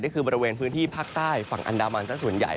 ก็คือบริเวณพื้นที่ภาคใต้ฝั่งอันดามันสักส่วนใหญ่